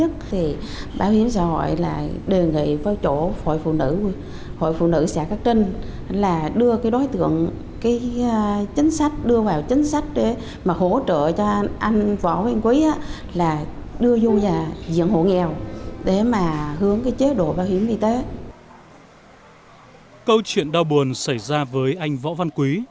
câu chuyện đau buồn xảy ra với anh võ văn quý